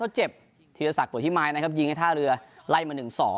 เจ็บธีรศักดิวพิมายนะครับยิงให้ท่าเรือไล่มา๑๒